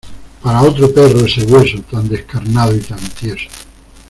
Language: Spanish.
Para otro perro ese hueso, tan descarnado y tan tieso.